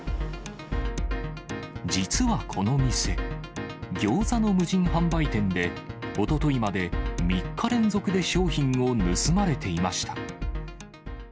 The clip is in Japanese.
実はこの店、ギョーザの無人販売店で、おとといまで３日連続で商品を盗まれていました。